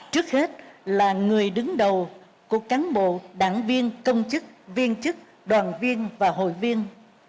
trước hết là người đứng đầu của cán bộ đảng viên công chức viên chức đoàn viên và hội viên